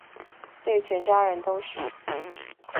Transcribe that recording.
对全家人都是